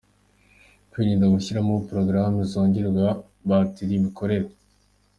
Kwirinda gushyiramo porogaramu zongerera batiri imikorere.